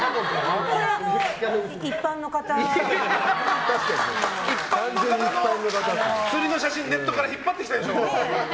一般の方の釣りの写真ネットから引っ張ってきたでしょ。